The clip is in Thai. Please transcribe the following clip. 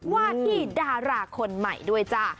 ว่าที่ดาราคนใหม่ด้วยจ้า